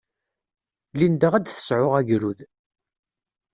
Linda ad d-tesɛu agrud.